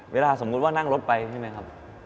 เวลาสมมุติว่านั่งรถไปใช่ไหมครับ